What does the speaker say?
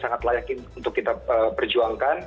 sangat layak untuk kita perjuangkan